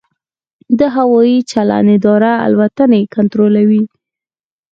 د هوايي چلند اداره الوتنې کنټرولوي